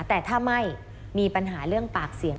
แต่ถ้าไม่มีปัญหาเรื่องปากเสียง